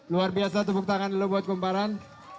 luar biasa tepuk tangan dulu buat kumparan